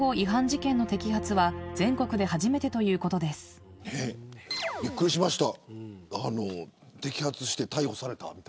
「ビオレ」びっくりしました。